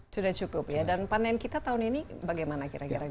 sudah cukup ya dan panen kita tahun ini bagaimana kira kira